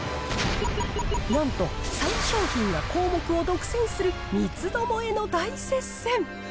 なんと３商品が項目を独占する三つどもえの大接戦。